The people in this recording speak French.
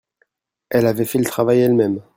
Elle avait fait le travail elle-même.